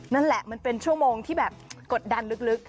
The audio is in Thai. นั่นแหละมันเป็นชั่วโมงที่แบบกดดันลึก